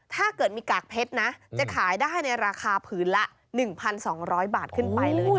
ถ้าเกิดมีกากเพชรนะจะขายได้ในราคาผืนละ๑๒๐๐บาทขึ้นไปเลย